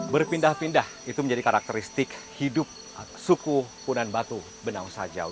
berpindah pindah itu menjadi karakteristik hidup suku punan batu benau sajau